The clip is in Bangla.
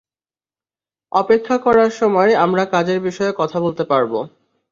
অপেক্ষা করার সময় আমরা কাজের বিষয়ে কথা বলতে পারবো।